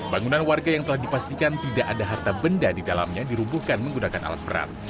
bangunan warga yang telah dipastikan tidak ada harta benda di dalamnya dirubuhkan menggunakan alat berat